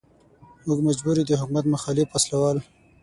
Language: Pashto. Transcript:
موږ مجبور يو چې د حکومت مخالف وسله وال.